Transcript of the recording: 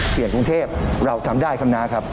เสียงกรุงเทพฯเราทำได้ครับนะครับ